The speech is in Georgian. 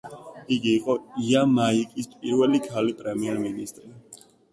იგი იყო იამაიკის პირველი ქალი პრემიერ-მინისტრი.